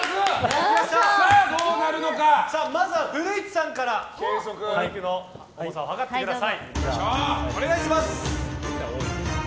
まずは古市さんからお肉の重さを量ってください。